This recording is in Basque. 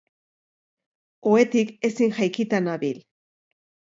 Ohetik ezin jaikita nabil.